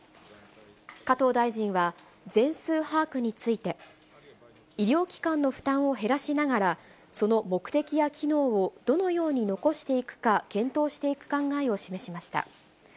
加藤大臣は、全数把握について、医療機関の負担を減らしながら、その目的や機能をどのように残していくか検討していく考えを示しました。